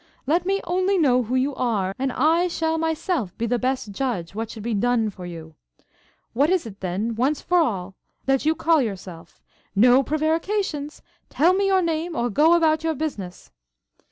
Let me only know who you are, and I shall myself be the best judge what should be done for you. What is it, then, once for all, that you call yourself? No prevarications! Tell me your name, or go about your business.'